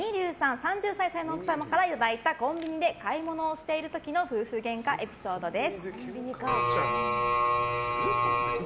３３歳の奥様からいただいたコンビニで買い物をしている時の夫婦げんかエピソードです。